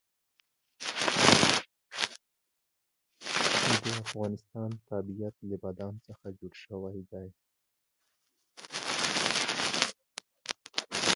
د افغانستان طبیعت له بادام څخه جوړ شوی دی.